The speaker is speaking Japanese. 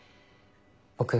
僕